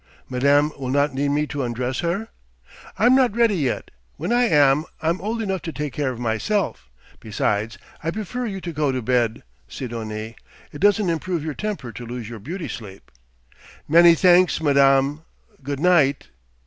"Madame will not need me to undress her?" "I'm not ready yet. When I am I'm old enough to take care of myself. Besides, I prefer you to go to bed, Sidonie. It doesn't improve your temper to lose your beauty sleep." "Many thanks, madame. Good night."